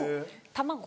卵。